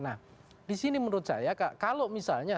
nah disini menurut saya kalau misalnya